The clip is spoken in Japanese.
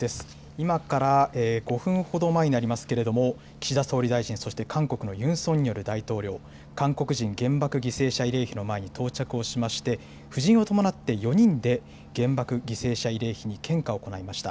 今から５分ほど前になりますけれども、岸田総理大臣、そして韓国のユン・ソンニョル大統領、韓国人原爆犠牲者慰霊碑の前に到着をしまして、夫人を伴って４人で原爆犠牲者慰霊碑に献花を行いました。